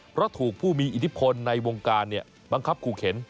เพราะถูกผู้มีอิทธิพลในวงการบังคับขู่เข็น